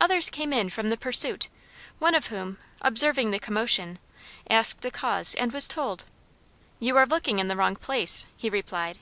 Others came in from the pursuit, one of whom, observing the commotion, asked the cause, and was told. "You are looking in the wrong place," he replied.